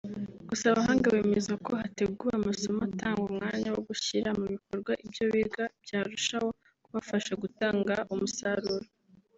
Gusa abahanga bemeza ko hateguwe amasomo atanga umwanya wo gushyira mu bikorwa ibyo biga byarushaho kubafasha gutanga umusaruro